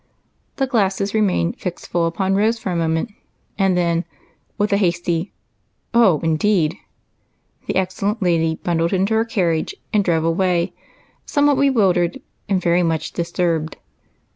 The glasses remained fixed full upon Rose for a moment, and then, with a hasty " Oh, indeed !" the excellent lady bundled into her carriage and drove away, somewhat bewildered and very much disturbed.